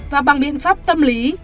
và bằng biện pháp tâm lý